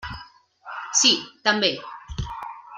Sí, també.